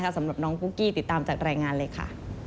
สำหรับน้องปุ๊กกี้ติดตามจากรายงานเลยค่ะ